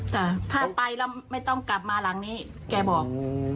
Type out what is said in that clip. จ้ะถ้าไปแล้วไม่ต้องกลับมาหลังนี้แกบอก